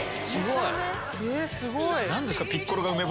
すごい！